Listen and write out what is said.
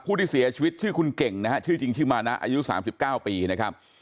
ที่เสียชีวิตชื่อคุณเก่งนะฮะชื่อจริงชื่อมานะอายุ๓๙ปีนะครับ